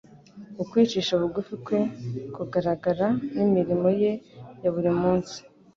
ukwicisha bugufi kwe kugaragara, n'imirimo ye ya buri munsi.